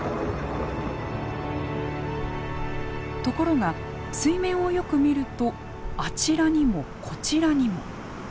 ところが水面をよく見るとあちらにもこちらにも。